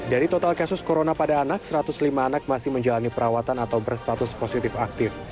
dari total kasus corona pada anak satu ratus lima anak masih menjalani perawatan atau berstatus positif aktif